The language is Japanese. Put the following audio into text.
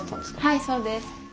はいそうです。